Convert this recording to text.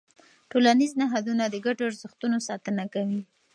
ټولنیز نهادونه د ګډو ارزښتونو ساتنه کوي.